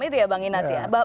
itu ya bang inas ya